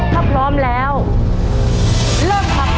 ถ้าพร้อมแล้วเริ่มทำ